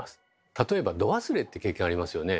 例えば「ど忘れ」って経験ありますよね。